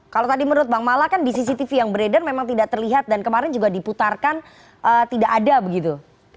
kalau tadi menurut bang mala kan di cctv yang beredar memang tidak terlihat dan kemarin juga diputarkan tidak ada begitu